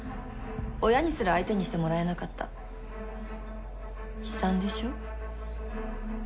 親にすら相手にしてもらえなかった悲惨でしょ？